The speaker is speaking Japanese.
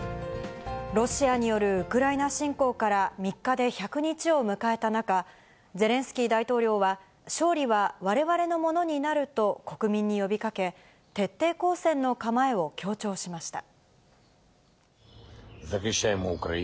ロシアによるウクライナ侵攻から、３日で１００日を迎えた中、ゼレンスキー大統領は、勝利はわれわれのものになると国民に呼びかけ、徹底抗戦の構えを強調しました。